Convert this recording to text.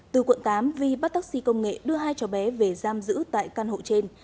từ quận tám vi bắt taxi công nghệ đưa hai cháu bé về giam giữ tại căn hộ trên